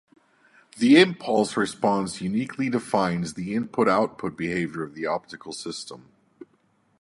The impulse response uniquely defines the input-output behavior of the optical system.